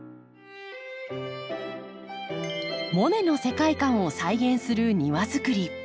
モネの世界観を再現する庭づくり。